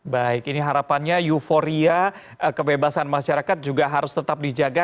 baik ini harapannya euforia kebebasan masyarakat juga harus tetap dijaga